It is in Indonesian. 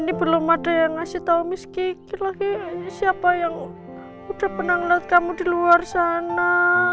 ini belum ada yang ngasih tahu miskin lagi siapa yang udah pernah ngeliat kamu di luar sana